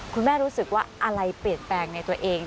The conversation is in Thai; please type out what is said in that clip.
รู้สึกว่าอะไรเปลี่ยนแปลงในตัวเอง